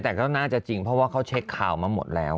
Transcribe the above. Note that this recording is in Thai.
แต่ก็น่าจะจริงเพราะว่าเขาเช็คข่าวมาหมดแล้ว